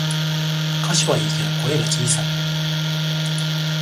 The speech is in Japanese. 歌詞はいいけど声が小さい